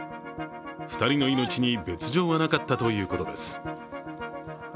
２人の命に別状はなかったということです。